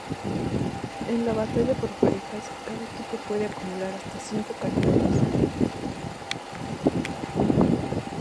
En la Batalla por parejas, cada equipo puede acumular hasta cinco caramelos.